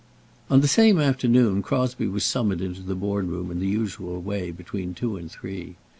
On the same afternoon, Crosbie was summoned into the Board room in the usual way, between two and three.